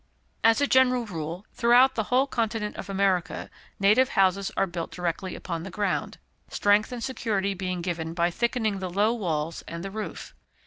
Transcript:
As a general rule, throughout the whole continent of America, native houses are built directly upon the ground strength and security being given by thickening the low walls and the roof.